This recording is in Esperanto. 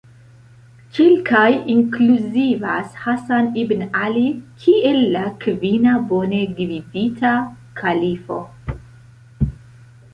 Kelkaj inkluzivas Hasan ibn Ali kiel la kvina bone gvidita kalifo.